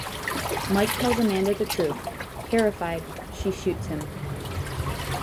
Mike tells Amanda the truth; terrified, she shoots him.